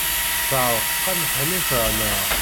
Teɛreq-am Ḥnifa, naɣ?